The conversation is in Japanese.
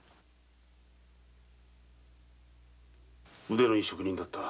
腕のいい職人だった。